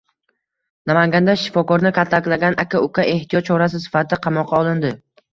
Namanganda shifokorni kaltaklagan aka-uka ehtiyot chorasi sifatida qamoqqa olindi